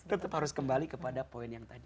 tetap harus kembali kepada poin yang tadi